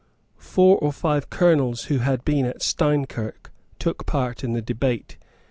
Four or five colonels who had been at Steinkirk took part in the debate.